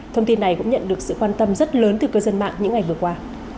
thông tin này cũng nhận được sự quan tâm rất lớn từ cư dân mạng những ngày vừa qua